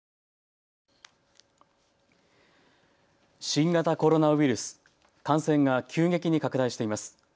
新型コロナウイルス、感染が急激に拡大しています。